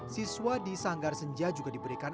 siswa di sanggar senja juga diberikan